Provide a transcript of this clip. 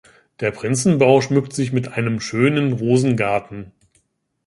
Der Prinzenbau schmückt sich mit einem schönen Rosengarten.